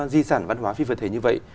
di sản văn hóa phi vật thể như vậy